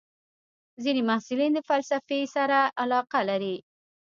ځینې محصلین د فلسفې سره علاقه لري.